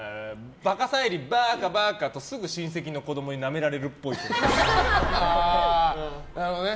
バカ沙莉、バーカバーカ！とすぐに親戚の子供になめられるっぽい。